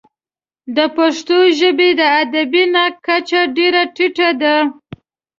د پښتو ژبې د ادبي نقد کچه ډېره ټیټه ده.